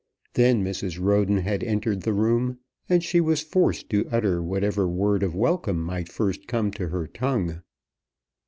Then Mrs. Roden had entered the room, and she was forced to utter whatever word of welcome might first come to her tongue.